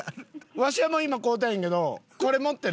わしはもう今買うたんやけどこれ持ってる？